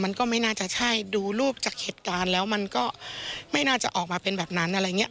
มันก็ไม่น่าจะใช่ดูรูปจากเหตุการณ์แล้วมันก็ไม่น่าจะออกมาเป็นแบบนั้นอะไรอย่างนี้